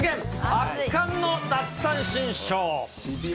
圧巻の奪三振ショー。